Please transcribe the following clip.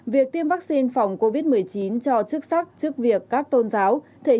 việc tiêm vaccine phòng covid một mươi chín cho chức sắc trước việc các tôn giáo thể